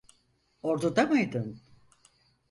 Orduda mıydın?